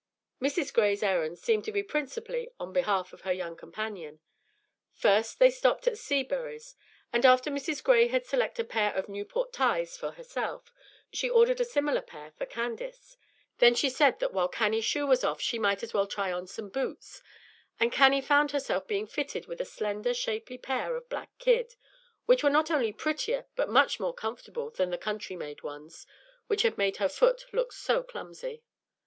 Mrs. Gray's errands seemed to be principally on behalf of her young companion. First they stopped at Seabury's, and after Mrs. Gray had selected a pair of "Newport ties" for herself, she ordered a similar pair for Candace. Then she said that while Cannie's shoe was off she might as well try on some boots, and Cannie found herself being fitted with a slender, shapely pair of black kid, which were not only prettier but more comfortable than the country made ones which had made her foot look so clumsy.